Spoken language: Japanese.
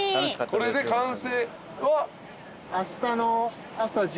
これで完成は？